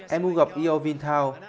emu gặp eo vintow